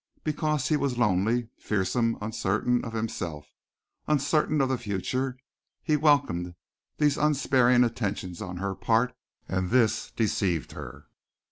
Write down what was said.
Because he was lonely, fearsome, uncertain of himself, uncertain of the future, he welcomed these unsparing attentions on her part, and this deceived her.